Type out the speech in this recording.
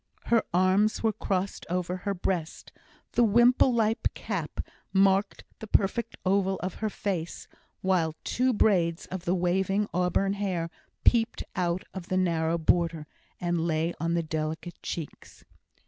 Her arms were crossed over her breast; the wimple like cap marked the perfect oval of her face, while two braids of the waving auburn hair peeped out of the narrow border, and lay on the delicate cheeks.